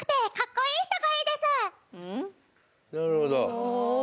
なるほど